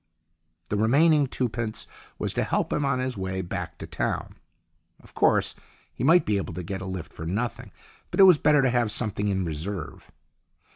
The remaining twopence was to help him on his way back to town. Of course, he might be able to get a lift for nothing, but it was better to have something in reserve.